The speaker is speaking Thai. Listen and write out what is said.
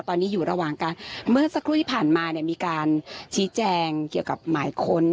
ตอนนี้อยู่ระหว่างการเมื่อสักครู่ที่ผ่านมาเนี่ยมีการชี้แจงเกี่ยวกับหมายค้น